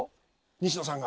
西野さんが。